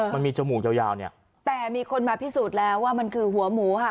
มันมีจมูกยาวยาวเนี่ยแต่มีคนมาพิสูจน์แล้วว่ามันคือหัวหมูค่ะ